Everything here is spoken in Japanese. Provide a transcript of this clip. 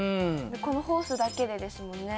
このホースだけでですもんね。